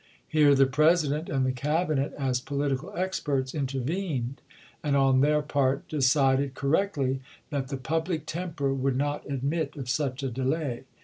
Here the President and the Cabinet, as political experts, intervened, and on their part decided, correctly, that the public tem per would not admit of such a delay.